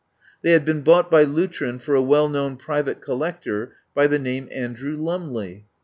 They had been bought by Lutrin for a well known private collector, by name An drew Lumley.